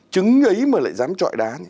chứng ấy mà lại dám trọi đá